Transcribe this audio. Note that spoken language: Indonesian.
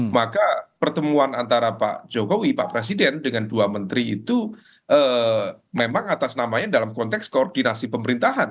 maka pertemuan antara pak jokowi pak presiden dengan dua menteri itu memang atas namanya dalam konteks koordinasi pemerintahan